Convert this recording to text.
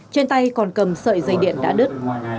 trên tay còn cầm sợi dây điện đã đứt